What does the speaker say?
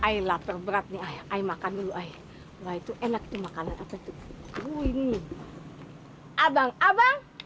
hai i lapar beratnya ayo makan dulu air itu enak dimakan apa tuh ini abang abang